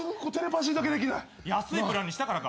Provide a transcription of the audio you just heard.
安いプランにしたからか？